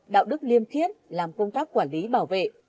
đạo đức liêm khiết làm công tác quản lý bảo vệ